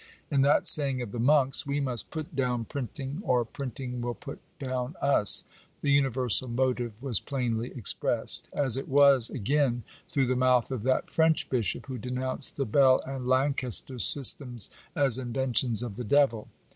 In that saying of the monks, " We must put down printing, or printing will put down us," the universal motive was plainly expressed ; as it was, again, through the mouth of that French bishop who denounced the Bell and Lancaster systems as inventions of the devil.